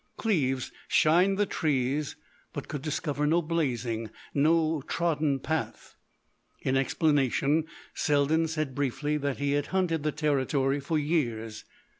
Cleves shined the trees but could discover no blazing, no trodden path. In explanation, Selden said briefly that he had hunted the territory for years.